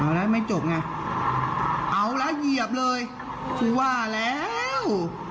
เอาแล้วไม่จบไงเอาละเหยียบเลยกูว่าแล้ว